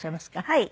はい。